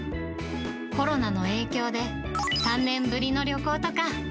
コロナの影響で、３年ぶりの旅行とか。